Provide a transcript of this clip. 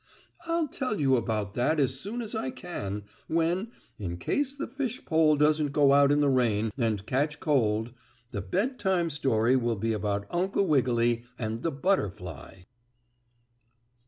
I'll tell you about that as soon as I can, when, in case the fishpole doesn't go out in the rain and catch cold, the Bedtime Story will be about Uncle Wiggily and the butterfly.